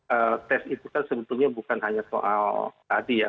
ee tes itu kan sebetulnya bukan hanya soal tadi ya